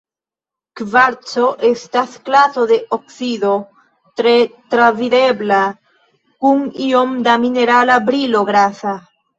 Kvarco estas klaso de oksido, tre travidebla kun iom da minerala brilo grasa.